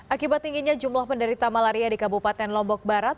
akibat tingginya jumlah penderita malaria di kabupaten lombok barat